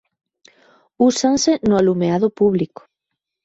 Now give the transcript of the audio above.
Úsanse no alumeado público.